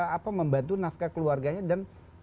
apa membantu nafkah keluarganya dan